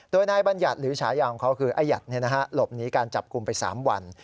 โดยนายบัญญัติหรือฉายาของเขาคืออายัดหลบหนีการจับกลุ่มไป๓วัน